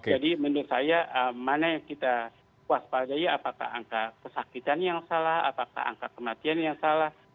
jadi menurut saya mana yang kita kuas padahal apakah angka kesakitan yang salah apakah angka kematian yang salah